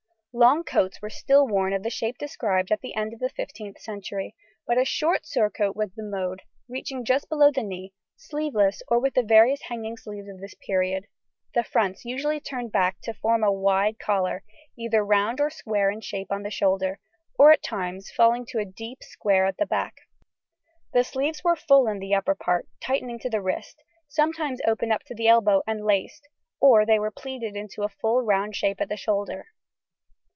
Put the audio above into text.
] Long coats were still worn of the shape described at the end of the 15th century, but a short surcoat was the mode, reaching just below the knee, sleeveless, or with the various hanging sleeves of this period, the fronts usually turned back to form a wide collar, either round or square in shape on the shoulder, or at times falling to a deep square at the back. The sleeves were full in the upper part, tightening to the wrist, sometimes open up to the elbow and laced, or they were pleated into a full round shape at the shoulder.